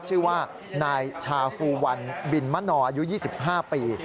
ชื่อว่านายชาฟูวันบินมะนออายุ๒๕ปี